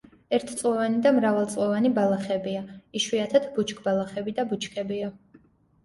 ერთწლოვანი და მრავალწლოვანი ბალახებია, იშვიათად ბუჩქბალახები და ბუჩქებია.